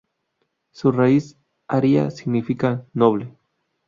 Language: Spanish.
Su raíz, Aria, significa noble.